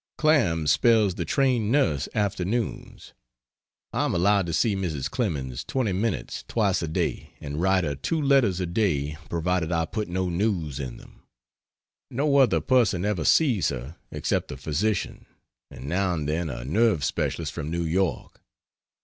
Clam spells the trained nurse afternoons; I am allowed to see Mrs. Clemens 20 minutes twice a day and write her two letters a day provided I put no news in them. No other person ever sees her except the physician and now and then a nerve specialist from New York.